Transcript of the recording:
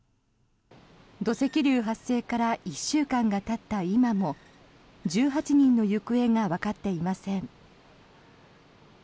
土石流発生から１週間がたった今も１８人の行方がわかっていません。